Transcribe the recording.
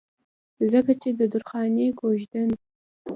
ځکه چې د درخانۍ کويژدن